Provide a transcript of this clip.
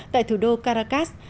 tại thủ đô caracas